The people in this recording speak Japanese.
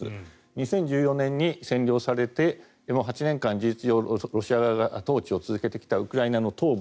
２０１４年に占領されて８年間、事実上ロシア側が統治を続けてきたウクライナの東部